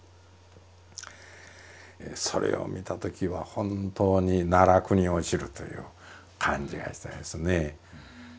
それを見たときは本当に奈落に落ちるという感じがしてですね。